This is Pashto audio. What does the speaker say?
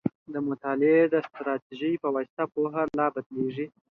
د مطالعې د استراتيژۍ په واسطه پوهه لا بدیږي.